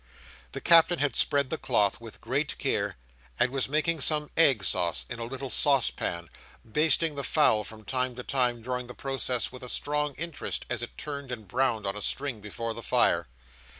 The Captain had spread the cloth with great care, and was making some egg sauce in a little saucepan: basting the fowl from time to time during the process with a strong interest, as it turned and browned on a string before the fire.